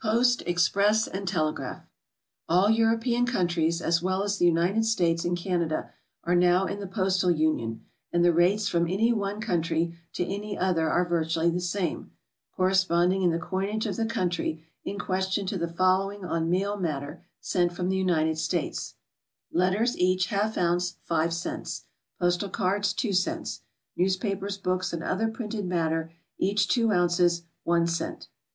POST, EXPRESS AND TELEGRAPH. All European countries, as well as the United States and Canada, are now in the Postal Union, and the rates from any one country to any other are virtually the same, correspond ing in the coinage of the country in question to the following on mail matter sent from the United States: — Letters, each half ounce 5 cts. Postal cards 2 cts. Newspapers, books, and other printed matter, each two ounces 1 ct.